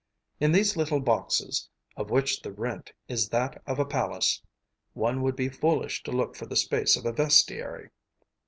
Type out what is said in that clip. In these little boxes of which the rent is that of a palace one would be foolish to look for the space of a vestiary.